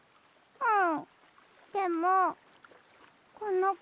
うん。